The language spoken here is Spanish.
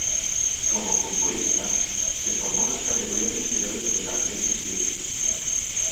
Como futbolista, se formó en las categorías inferiores del Athletic Club.